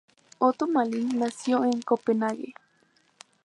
Otto Malling nació en Copenhague.